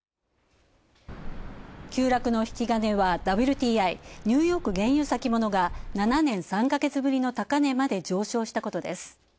急落の引き金は、ＷＴＩ＝ニューヨーク原油先物が７年３ヶ月ぶりの高値まで上昇したこと。